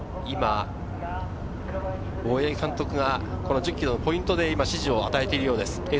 今、大八木監督が１０ｋｍのポイントで指示を与えているようです。